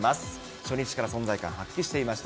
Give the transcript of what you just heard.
初日から存在感発揮していました。